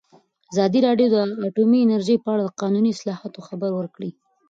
ازادي راډیو د اټومي انرژي په اړه د قانوني اصلاحاتو خبر ورکړی.